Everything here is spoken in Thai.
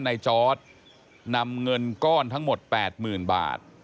ไนจอร์ธนำเงินก้อนทั้งหมด๘หมื่นบาท